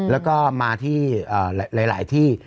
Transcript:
แล้วก็มาที่หลายที่